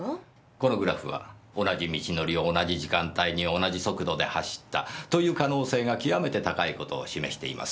このグラフは同じ道のりを同じ時間帯に同じ速度で走ったという可能性が極めて高い事を示しています。